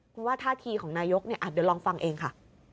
คุณว่าท่าทีของนายกอาจจะลองฟังเองค่ะ